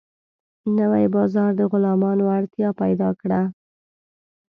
نوی بازار د غلامانو اړتیا پیدا کړه.